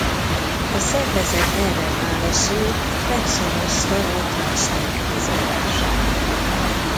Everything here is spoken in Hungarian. A szervezet erre válaszul megszavazta a transz nők kizárását.